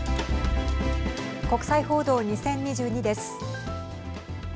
国際報道２０２２です。